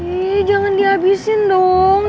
bel jangan dihabisin dong